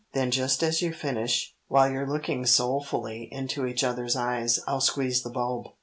Then just as you finish, while you're looking soulfully into each other's eyes, I'll squeeze the bulb."